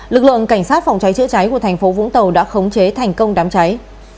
lực lượng cảnh sát phòng cháy chữa cháy của thành phố vũng tàu đã khống chế thành công đám cháy